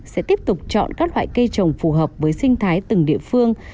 sẽ tiếp tục chọn các loại cây trồng phù hợp với sinh thái từng địa phương